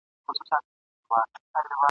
نو له کومه یې پیدا کړل دا طلاوي جایدادونه !.